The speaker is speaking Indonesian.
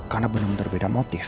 karena benar benar beda motif